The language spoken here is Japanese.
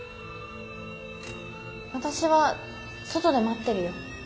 私は外で待ってるよ。